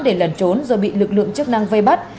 để lần trốn do bị lực lượng chức năng vây bắt